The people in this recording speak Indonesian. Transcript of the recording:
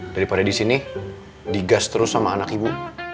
daripada di sini digas terus sama anak ibu